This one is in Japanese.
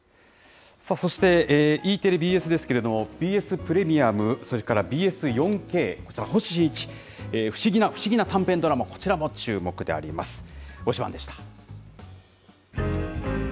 そしてＥテレ、びーえすですけれどもＢＳプレミアム、それからＢＳ４Ｋ、こちら、星新一の不思議な不思議な短編ドラマ、こちらも注目であります。